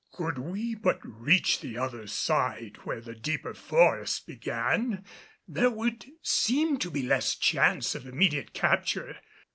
Could we but reach the other side where the deeper forest began there would seem to be less chance of immediate capture.